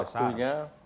ya pertama waktunya